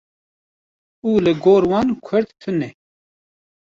û li gor wan Kurd tune.